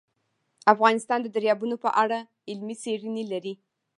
افغانستان د دریابونه په اړه علمي څېړنې لري.